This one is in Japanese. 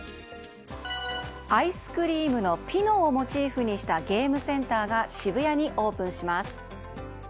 アイスクリームのピノをモチーフにしたゲームセンターが渋谷にオープンします。